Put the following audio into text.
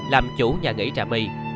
làm chủ nhà nghỉ trà mì